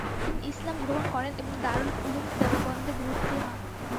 তিনি ইসলাম গ্রহণ করেন এবং দারুল উলুম দেওবন্দে ভর্তি হন।